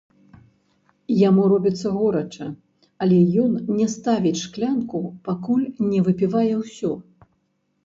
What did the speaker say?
Яму робіцца горача, але ён не ставіць шклянку, пакуль не выпівае ўсё.